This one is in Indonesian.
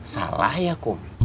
salah ya kum